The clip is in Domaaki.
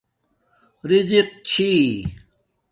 رزق چھی